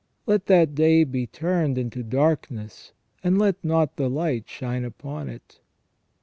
Let that day be turned into darkness, and let not the light shine upon it."